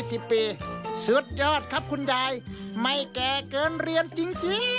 สุดยอดครับคุณยายไม่แก่เกินเรียนจริง